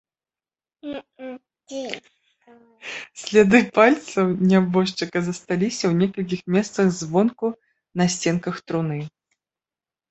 Сляды пальцаў нябожчыка засталіся ў некалькіх месцах звонку на сценках труны.